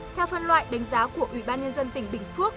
theo phân loại đánh giá của ủy ban nhân dân tỉnh bình phước